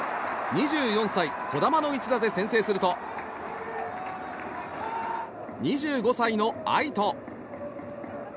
２４歳、児玉の一打で先制すると２５歳の愛斗。